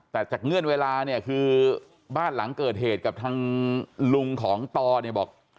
แต่จากเงื่อนเวลาเนี่ยคือบ้านหลังเกิดเหตุกับทางลุงของตอเนี่ยบอก